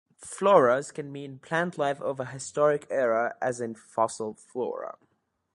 Floras can mean plant life of a historic era as in "fossil flora".